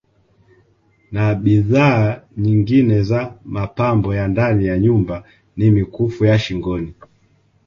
Na bidhaa nyingine za Mapambo ya ndani ya nyumba na mikufu ya Shingoni